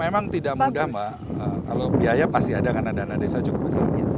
memang tidak mudah mbak kalau biaya pasti ada karena dana desa cukup besar